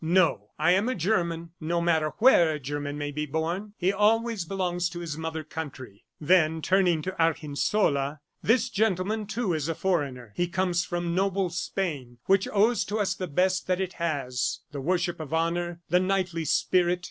"No, I am a German. No matter where a German may be born, he always belongs to his mother country." Then turning to Argensola "This gentleman, too, is a foreigner. He comes from noble Spain, which owes to us the best that it has the worship of honor, the knightly spirit."